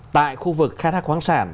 tại khu vực khai thác khoáng sản